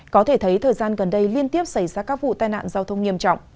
có thể thấy thời gian gần đây liên tiếp xảy ra các vụ tai nạn giao thông nghiêm trọng